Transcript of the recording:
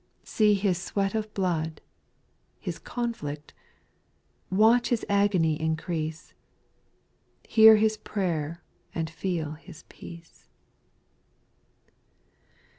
See His sweat of blood, His conflict, Watch His agony increase, Hear His prayer and feel His peace.